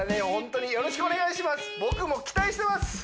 ホントによろしくお願いします